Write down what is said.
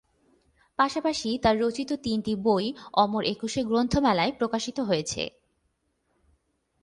পাশাপাশি তার রচিত তিনটি বই অমর একুশে গ্রন্থমেলায় প্রকাশিত হয়েছে।